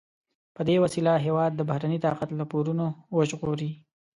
په دې وسیله هېواد د بهرني طاقت له پورونو وژغوري.